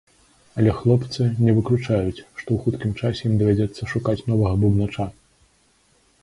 Але хлопцы не выключаюць, што ў хуткім часе ім давядзецца шукаць новага бубнача.